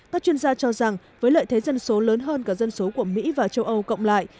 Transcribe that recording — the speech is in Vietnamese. các chuyên gia cho rằng với lợi thế dân số lớn hơn cả dân số của mỹ và châu âu cộng lại